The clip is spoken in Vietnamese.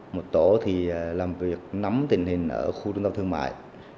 một tổ thì làm việc nắm tình hình ở khu trung tâm thương mại